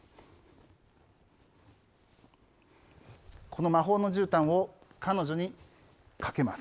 この魔法のじゅうたんを、彼女にかけます。